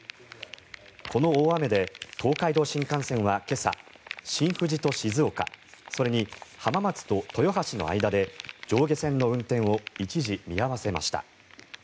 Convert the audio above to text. この大雨で東海道新幹線は今朝、新富士と静岡それに浜松と豊橋の間で上下線の運転を一時見合わせました。